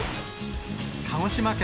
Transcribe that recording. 鹿児島県